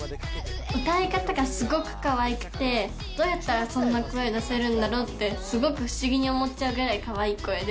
歌い方がすごくかわいくてどうやったらそんな声出せるんだろうってすごく不思議に思っちゃうぐらいかわいい声で。